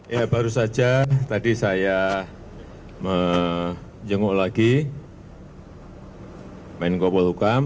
ya baru saja tadi saya menjenguk lagi menko polhukam